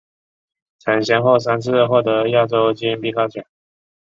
曾先后三次获得亚洲金冰镐奖。